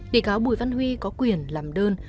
bị cáo bùi văn huy có quyền làm đơn